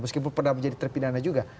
meskipun pernah menjadi terpidana juga